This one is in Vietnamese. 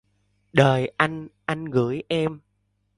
Đời anh anh gửi em